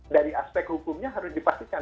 dari aspek hukumnya harus dipastikan